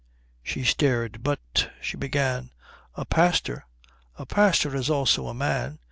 She stared. "But," she began, "a pastor " "A pastor is also a man."